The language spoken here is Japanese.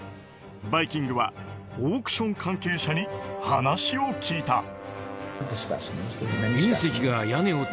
「バイキング」はオークション関係者に話を聞いた。